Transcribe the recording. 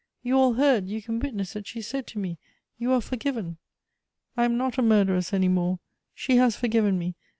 You all heard, you can witness that she said to me :' You are forgiven.' I am not a murderess any more. She has forgiven me.